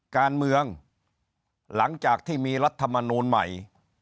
การเมืองหลังจากที่มีรัฐมนูลใหม่